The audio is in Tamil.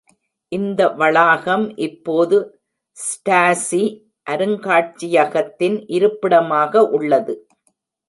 இந்த வளாகம் இப்போது ஸ்டாசி அருங்காட்சியகத்தின் இருப்பிடமாக உள்ளது.